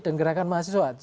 dan gerakan mahasiswa